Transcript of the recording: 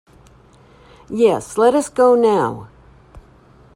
Yes, let us go now.